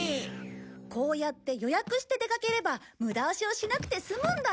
こうやって予約して出かければ無駄足をしなくて済むんだ。